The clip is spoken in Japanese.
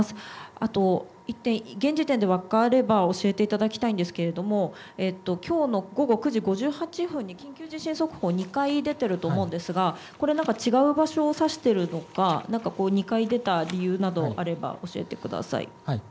あと１点、現時点で分かれば教えていただきたいんですけれどもきょうの午後９時５８分に緊急地震速報２回出てると思うんですがこれ何か違う場所を指しているのか２回出た理由などあれば教えてください。